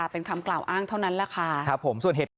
เป็นคำกล่าวอ้างเท่านั้น